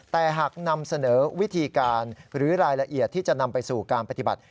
แต่หากนำเสนอวิธีการหรือรายละเอียดที่จะนำไปสู่การปฏิบัติ